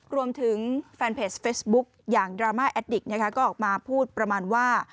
รวมถึงแฟนเพจเฟซบุ๊กอย่างดราม่าแอดดิกก็ออกมาพูดประมาณว่า